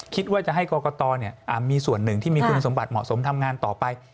คิดว่าจะให้กรกตมีส่วนหนึ่งที่มีคุณสมบัติเหมาะสมทำงานต่อไป